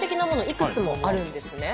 いくつもあるんですね。